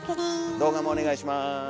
動画もお願いします。